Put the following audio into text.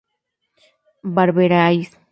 beberíais